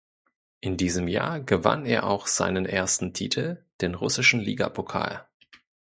In diesem Jahr gewann er auch seinen ersten Titel, den russischen Ligapokal.